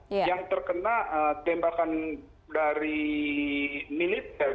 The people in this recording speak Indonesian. yang terkena tembakan dari militer